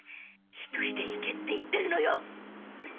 「一人で行け」って言ってるのよ！